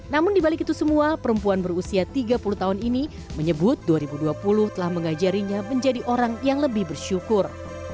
namun dibalik itu semua perempuan berusia tiga puluh tahun ini menyebut dua ribu dua puluh telah mengajarinya menjadi orang yang lebih bersyukur